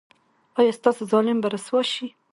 ایا ستاسو ظالم به رسوا شي؟